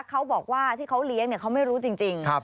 เขาบอกว่าที่เขาเลี้ยงเขาไม่รู้จริง